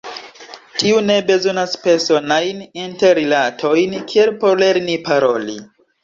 Tiu ne bezonas personajn interrilatojn, kiel por lerni paroli.